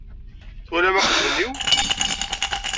Twalam aqjun-iw?